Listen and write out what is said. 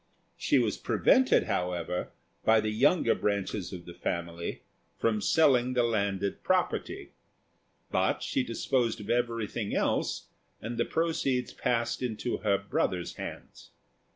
She was prevented, however, by the younger branches of the family from selling the landed property; but she disposed of everything else, and the proceeds passed into her brother's hands.